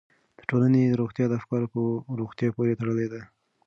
د ټولنې روغتیا د افکارو په روغتیا پورې تړلې ده.